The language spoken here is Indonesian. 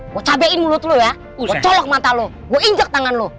gue cabain mulut lu ya gue colok mata lu gue injak tangan lu